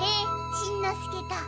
しんのすけか。